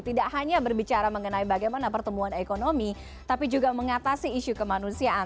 tidak hanya berbicara mengenai bagaimana pertumbuhan ekonomi tapi juga mengatasi isu kemanusiaan